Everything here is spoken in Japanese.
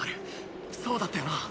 そうだったよな